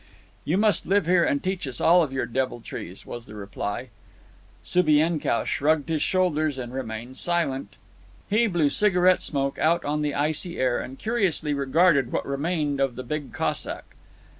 "You must live here, and teach us all of your deviltries," was the reply. Subienkow shrugged his shoulders and remained silent. He blew cigarette smoke out on the icy air, and curiously regarded what remained of the big Cossack.